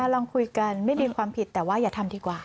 ลองคุยกันไม่มีความผิดแต่ว่าอย่าทำดีกว่า